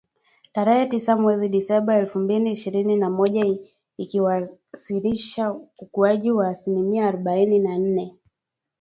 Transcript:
Tarehe Tisa mwezi Disemba elfu mbili ishirini na moja ikiwasilisha ukuaji wa asilimia arubaini na nne